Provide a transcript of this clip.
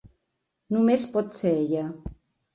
Només pot ser ella.